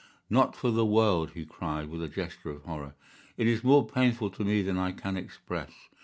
"'Not for the world,' he cried with a gesture of horror. 'It is more painful to me than I can express.